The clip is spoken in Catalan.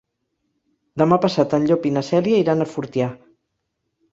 Demà passat en Llop i na Cèlia iran a Fortià.